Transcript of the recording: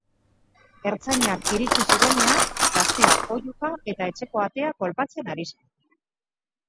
Ertzainak iritsi zirenean, gaztea oihuka eta etxeko atea kolpatzen ari zen.